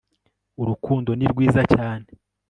urukundo ni rwiza cyane